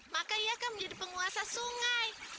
maka ia akan menjadi penguasa sungai